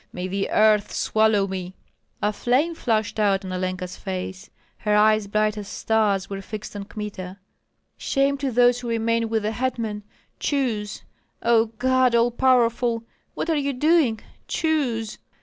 May the earth swallow me!" A flame flashed out on Olenka's face; her eyes bright as stars were fixed on Kmita. "Shame to those who remain with the hetman! Choose! O God, All Powerful! What are you doing? Choose!"